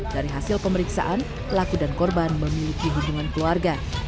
dari hasil pemeriksaan laku dan korban memiliki hubungan keluarga